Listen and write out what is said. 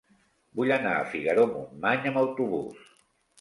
Vull anar a Figaró-Montmany amb autobús.